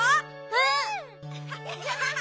うん！